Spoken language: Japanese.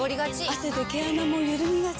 汗で毛穴もゆるみがち。